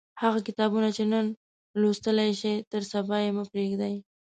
هغه کتابونه چې نن لوستلای شئ تر سبا یې مه پریږدئ.